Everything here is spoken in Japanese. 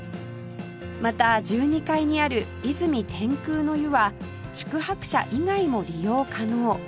また１２階にある泉天空の湯は宿泊者以外も利用可能